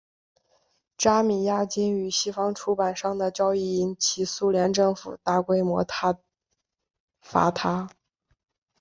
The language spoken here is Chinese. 扎米亚京与西方出版商的交易引起苏联政府大规模挞伐他。